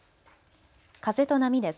風と波です。